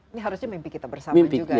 ini harusnya mimpi kita bersama juga ya